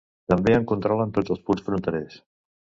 També en controlen tots els punts fronterers.